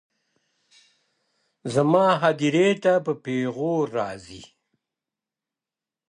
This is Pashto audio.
زما هدیرې ته به پېغور راځي.